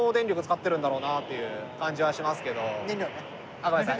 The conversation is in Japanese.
あごめんなさい。